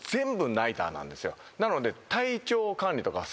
なので。